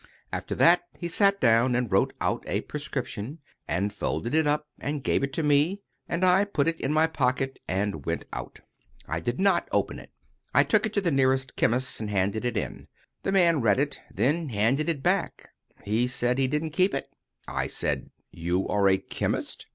After that, he sat down and wrote out a prescription, and folded it up and gave it me, and I put it in my pocket and went out. I did not open it. I took it to the nearest chemist's, and handed it in. The man read it, and then handed it back. He said he didn't keep it. I said: "You are a chemist?"